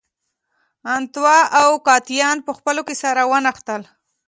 انتو او اوکتاویان په خپلو کې سره ونښتل.